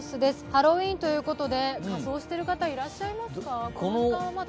ハロウィーンということで仮装している方いらっしゃいますか。